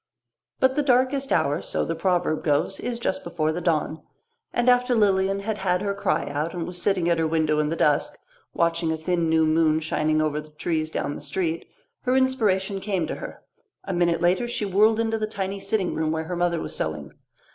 But the darkest hour, so the proverb goes, is just before the dawn, and after Lilian had had her cry out and was sitting at her window in the dusk, watching a thin new moon shining over the trees down the street, her inspiration came to her. A minute later she whirled into the tiny sitting room where her mother was sewing.